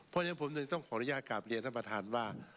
เพราะฉะนั้นผมเลยต้องขออนุญาตกลับเรียนท่านประธานว่า